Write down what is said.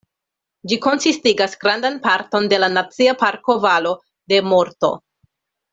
Ĝi konsistigas grandan parton de la Nacia Parko Valo de Morto.